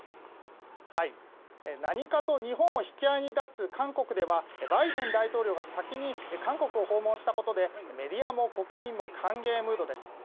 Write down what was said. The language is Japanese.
何かと日本を引き合いに出す韓国ではバイデン大統領が先に韓国を訪問したことでメディアも国民も歓迎ムードです。